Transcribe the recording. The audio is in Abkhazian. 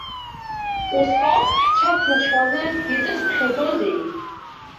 Усҟак ҳцәа ԥнаҽуаны изысыԥхьаӡозеи?